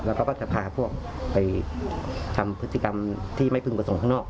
แล้วเขาก็จะพาพวกไปทำพฤติกรรมที่ไม่พึงประสงค์ข้างนอก